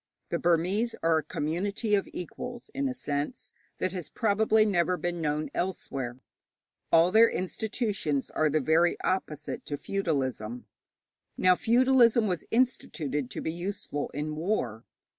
The Burmese are a community of equals, in a sense that has probably never been known elsewhere. All their institutions are the very opposite to feudalism. Now, feudalism was instituted to be useful in war.